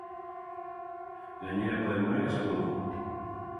Gainerakoa, denborak esango du.